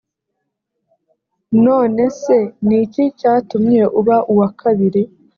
none se ni iki cyatumye uba uwakabiri